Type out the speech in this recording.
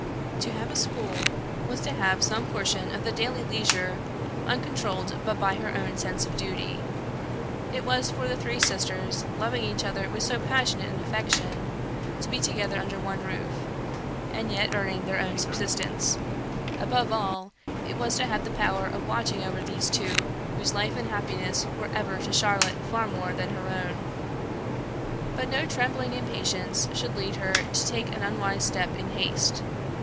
To have a school, was to have some portion of daily leisure, uncontrolled but by her own sense of duty; it was for the three sisters, loving each other with so passionate an affection, to be together under one roof, and yet earning their own subsistence; above all, it was to have the power of watching over these two whose life and happiness were ever to Charlotte far more than her own. But no trembling impatience should lead her to take an unwise step in haste.